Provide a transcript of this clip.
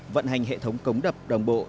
vận hành hệ thống cống đập đồng bộ